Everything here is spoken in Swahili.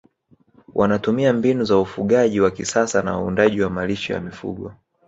wanatumia mbinu za ufugaji wa kisasa na uandaaji wa malisho ya mifugo